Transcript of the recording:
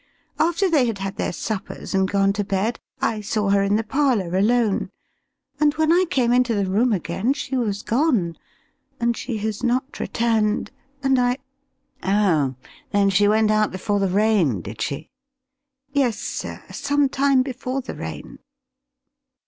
After they had had their suppers and gone to bed I saw her in the parlour alone, and when I came into the room again she was gone, and she has not returned, and I " "Oh, then she went out before the rain, did she?" "Yes, sir; some time before the rain."